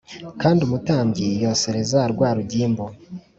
Kandi umutambyi yosereze rwa rugimbu